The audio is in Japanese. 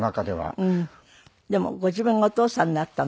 でもご自分がお父さんになったので。